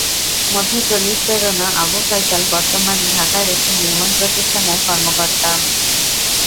মধ্য চল্লিশ পেরোনো আবু ফয়সাল বর্তমানে ঢাকার একটি নির্মাণ প্রতিষ্ঠানের কর্মকর্তা।